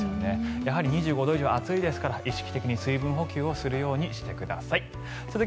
やはり２５度以上と暑いですから意識的に水分補給をするようにしてください。